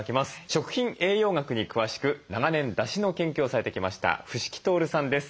食品栄養学に詳しく長年だしの研究をされてきました伏木亨さんです。